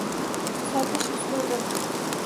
Sotish uslubi